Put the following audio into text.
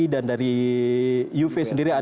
dan dari juve sendiri ada